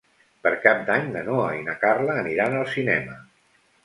Per Cap d'Any na Noa i na Carla aniran al cinema.